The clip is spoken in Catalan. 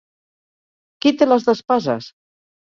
Qui té l'as d'espases?